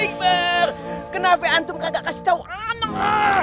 eibar kenapa antum gak kasih tau ana